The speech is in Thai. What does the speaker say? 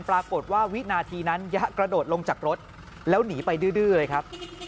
ปรากฏว่าวินาทีนั้นยะกระโดดลงจากรถแล้วหนีไปดื้อเลยครับ